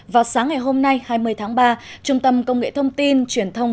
vào sáng ngày hôm nay hai mươi tháng ba trung tâm công nghệ thông tin truyền thông